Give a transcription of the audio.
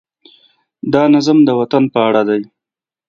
دا نظم د وطن په اړه دی.